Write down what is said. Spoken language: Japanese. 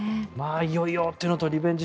いよいよというのとリベンジ